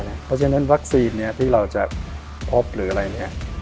เพราะฉะนั้นวัคซีนที่เราจะพบหรืออะไรเนี่ย